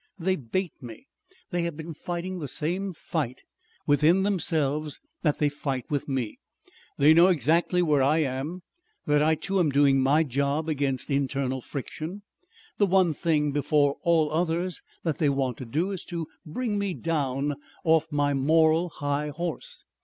They bait me. They have been fighting the same fight within themselves that they fight with me. They know exactly where I am, that I too am doing my job against internal friction. The one thing before all others that they want to do is to bring me down off my moral high horse.